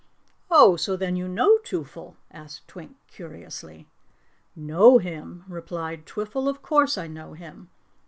"Oh, so then you know Twoffle?" asked Twink curiously. "Know him?" replied Twiffle. "Of course I know him.